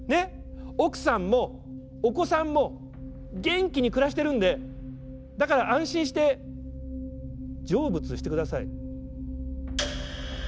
奥さんもお子さんも元気に暮らしてるんでだから安心して成仏してください」。